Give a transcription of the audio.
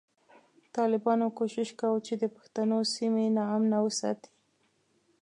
ټالبانو کوشش کوو چی د پښتنو سیمی نا امنه وساتی